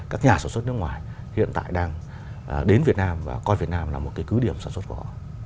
các nhà sản xuất nước ngoài hiện tại đang đến việt nam và coi việt nam là một cái cứ điểm sản xuất của họ